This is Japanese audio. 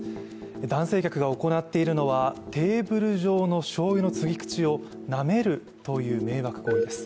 男性客が行っているのは、テーブル上のしょうゆのつぎ口をなめるという迷惑行為です。